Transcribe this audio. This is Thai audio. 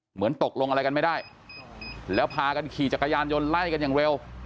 เหมือนตกลงอะไรกันไม่ได้แล้วพากันขี่จักรยานยนต์ไล่กันอย่างเร็ว